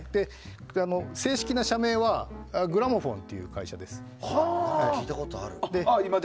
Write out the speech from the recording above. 正式な社名はグラモフォンという会社です。